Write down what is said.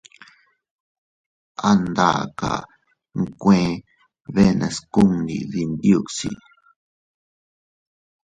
An daaka nkuee bee nascundi dinyuusi.